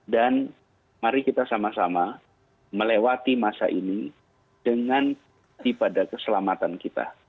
dan mari kita sama sama melewati masa ini dengan hati pada keselamatan kita